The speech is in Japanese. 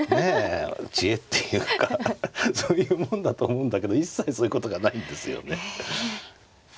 知恵っていうかそういうもんだと思うんだけど一切そういうことがないんですよね。